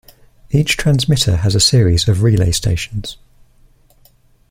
Each transmitter has a series of relay stations.